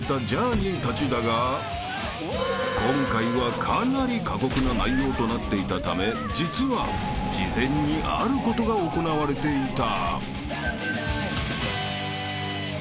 ［今回はかなり過酷な内容となっていたため実は事前にあることが行われていた］